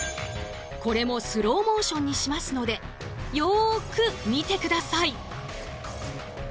これもスローモーションにしますのでよく見て下さい。